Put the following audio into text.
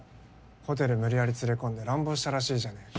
ホテル無理やり連れ込んで乱暴したらしいじゃねえか